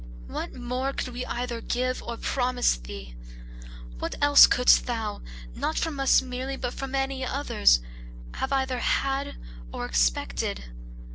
What more could we either give or promise thee? What else couldst thou, not from us merely, but from any others, have either had or expected?